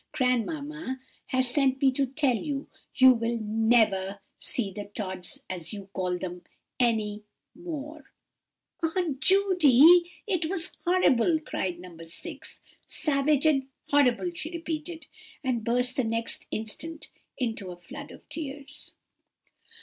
Grandmamma has sent me to tell you—You will never see the Tods, as you call them, any more.' "Aunt Judy, it was horrible!" cried No. 6; "savage and horrible!" she repeated, and burst the next instant into a flood of tears.